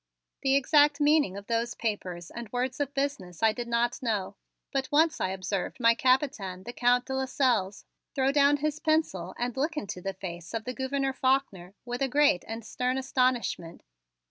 The exact meaning of those papers and words of business I did not know, but once I observed my Capitaine, the Count de Lasselles, throw down his pencil and look into the face of the Gouverneur Faulkner with a great and stern astonishment.